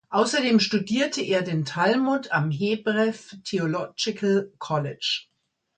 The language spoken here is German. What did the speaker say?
Außerdem studierte er den Talmud am Hebrew Theological College.